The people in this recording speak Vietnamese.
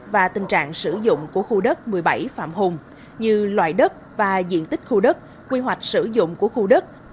và tình trạng sử dụng của khu đất một mươi bảy phạm hùng như loại đất và diện tích khu đất quy hoạch sử dụng của khu đất